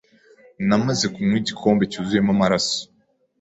Namaze kunywa igikombe cyuzuyemo amaraso